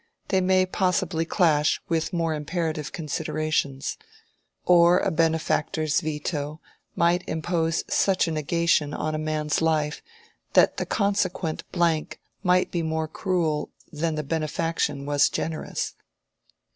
They may possibly clash with more imperative considerations. Or a benefactor's veto might impose such a negation on a man's life that the consequent blank might be more cruel than the benefaction was generous.